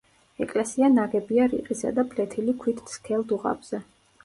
ეკლესია ნაგებია რიყისა და ფლეთილი ქვით სქელ დუღაბზე.